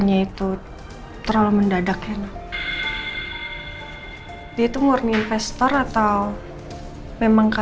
silahkan mbak mbak